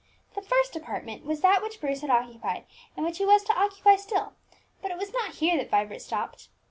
The first apartment was that which Bruce had occupied, and which he was to occupy still; but it was not here that Vibert stopped.